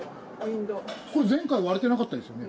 これ前回割れてなかったですよね。